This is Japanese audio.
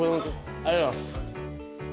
ありがとうございます。